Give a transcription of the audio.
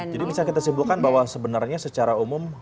jadi bisa kita simpulkan bahwa sebenarnya secara umum